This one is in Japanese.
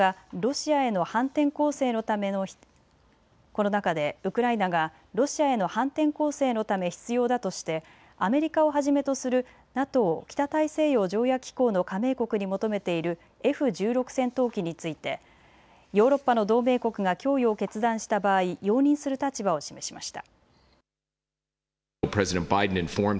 この中でウクライナがロシアへの反転攻勢のため必要だとしてアメリカをはじめとするＮＡＴＯ・北大西洋条約機構の加盟国に求めているＦ１６戦闘機についてヨーロッパの同盟国が供与を決断した場合、容認する立場を示しました。